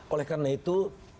oleh karena itu